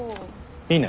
いいね。